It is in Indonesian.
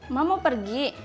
ma mau pergi